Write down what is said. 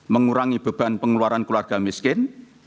mengurangi beban pengeluaran keluarga miskin